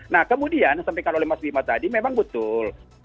nah kemudian sampaikan oleh mas wima tadi memang betul